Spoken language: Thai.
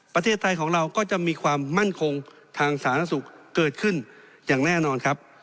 ประเทศไทยของเราก็จะมีความมั่นคงทางสาธารณสุขเกิดขึ้นอย่างแน่นอนครับ